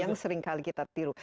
yang seringkali kita tiru